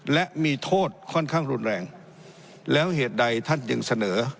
และมีโทษค่อนข้างรุนแรงแล้วเหตุใดท่านจึงเสนอ